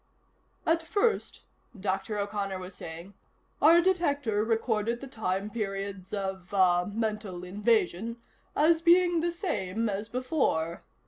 "At first," Dr. O'Connor was saying, "our detector recorded the time periods of ah mental invasion as being the same as before.